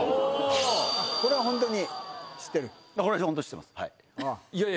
これは本当に知ってる？